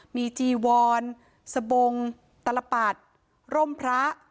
มีจีวอนสบงตลปัดร่มพระ